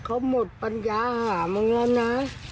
เขาหมดปัญญาหามึงแล้วนะ